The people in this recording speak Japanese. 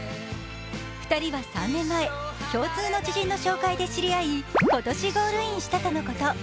２人は３年前、共通の知人の紹介で知り合い、今年ゴールインしたとのこと。